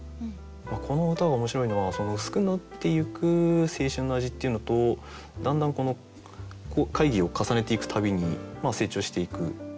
この歌が面白いのはうすくなっていく青春の味っていうのとだんだん会議を重ねていくたびに成長していく。